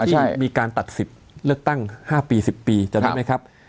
ที่มีการตัดสิทธิ์เลือกตั้ง๕ปี๑๐ปีจำได้ไหมครับ